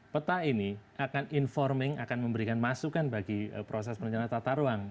peta ini akan informing akan memberikan masukan bagi proses perencanaan tata ruang